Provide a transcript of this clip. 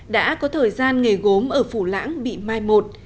đã có thời gian nghề gốm ở phủ lãng bị mai một